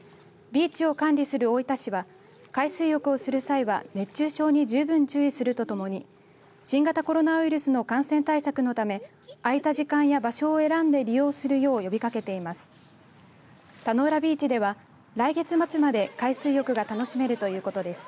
ビーチを管理する大分市は海水浴をする際は熱中症に十分注意するとともに新型コロナウイルスの感染対策のため空いた時間や場所を選んで利用するよう呼びかけています。